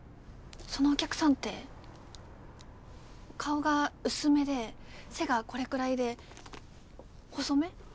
そのお客さんって顔が薄めで背がこれくらいで細め？